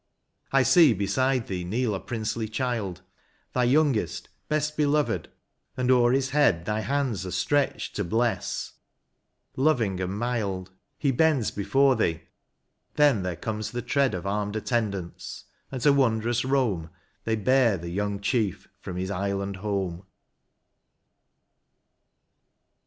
I see beside thee kneel a princely child. Thy youngest, best beloved, and o'er his head Thy hands are stretched to bless, loving and mild He bends before thee, then there comes the tread Of armed attendants, and to wondrous Bome They bear the young chief from his island home.